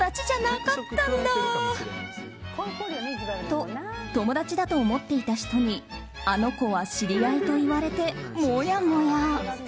と、友達だと思っていた人にあの子は知り合いと言われてもやもや。